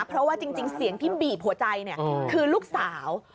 เพราะว่าจริงเสียงที่บีบหัวใจคือลูกสาว